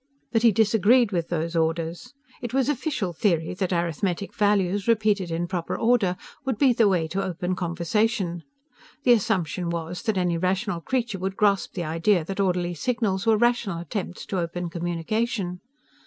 But he disagreed with those orders. It was official theory that arithmetic values, repeated in proper order, would be the way to open conversation. The assumption was that any rational creature would grasp the idea that orderly signals were rational attempts to open communication.